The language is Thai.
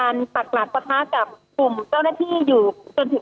อันนี้มีการยิงกระสุนยางเกิดขึ้นแล้วถูกต้องนะครับ